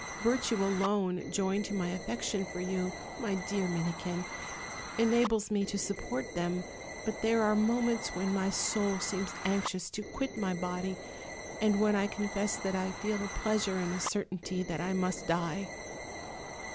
Virtue alone, joined to my affection for yfcu, my dear Minikin, enables me to support them; but there are moments when my soul seems anxious to quit my body, and when I confess that I feel a pleasure in the certainty that I must die.'